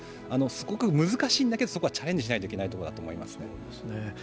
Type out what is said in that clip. すごく難しいんだけどそこはチャレンジしないといけないところだと思います。